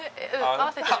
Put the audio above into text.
合わせてる？